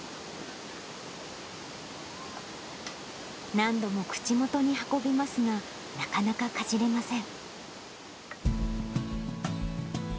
何度も口元に運びますが、なかなかかじれません。